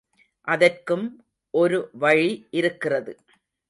அதற்கும் ஒரு வழி இருக்கிறது.